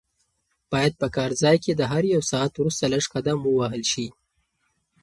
باید په کار ځای کې د هر یو ساعت وروسته لږ قدم ووهل شي.